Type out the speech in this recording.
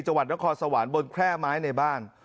จังหวัดนครสวรรค์บนแคร่ไม้ในบ้าน